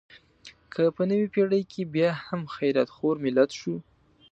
که په نوې پېړۍ کې بیا هم خیرات خور ملت شو.